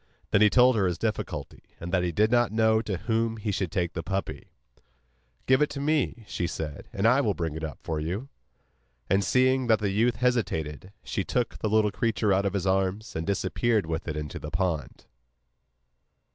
Then he told her his difficulty, and that he did not know to whom he should take the puppy. 'Give it to me,' she said, 'and I will bring it up for you.' And, seeing that the youth hesitated, she took the little creature out of his arms, and disappeared with it into the pond.